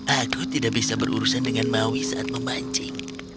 aku tidak bisa berurusan dengan maui saat memancing